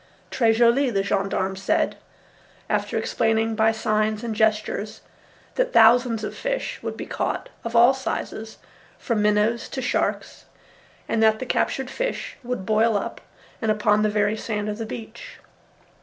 "Très jolie," the gendarme said, after explaining by signs and gestures that thousands of fish would be caught of all sizes from minnows to sharks, and that the captured fish would boil up and upon the very sand of the beach.